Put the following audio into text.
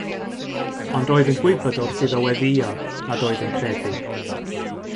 Ond roedd yn gwybod wrth iddo weddïo nad oedd yn credu.